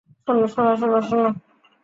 শোনো, শোনো, শোনো, শোনো।